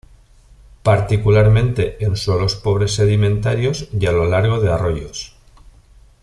Particularmente en suelos pobres sedimentarios y a lo largo de arroyos.